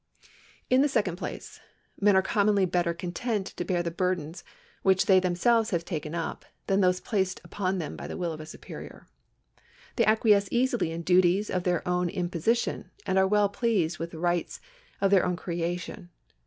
In the second place, men are commonly better content to bear the burdens which they themselves have taken up, than those placed upon them by the will of a superior. They acquiesce easily in duties of their own imposition, and are well pleased with rights of their own creation.